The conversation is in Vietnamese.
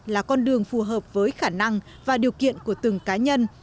là con đường phù hợp với khả năng và điều kiện của từng cá nhân